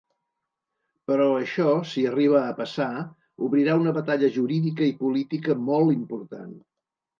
Però això, si arriba a passar, obrirà una batalla jurídica i política molt important.